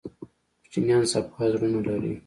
کوچنیان صفا زړونه لري